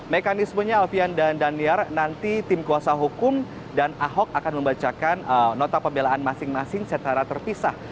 mekanismenya alfian dan daniar nanti tim kuasa hukum dan ahok akan membacakan nota pembelaan masing masing secara terpisah